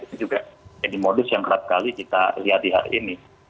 itu juga jadi modus yang kerap kali kita lihat di hari ini